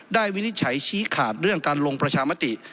วินิจฉัยชี้ขาดเรื่องการลงประชามติ